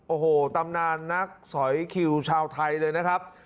โอ้โหตำนานนักสอยคิวชาวไทยเลยนะครับ